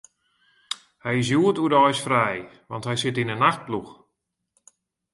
Hy is hjoed oerdeis frij, want hy sit yn 'e nachtploech.